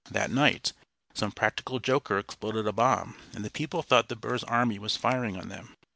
That night some practical joker exploded a bomb, and the people thought that Burr's army was firing on them.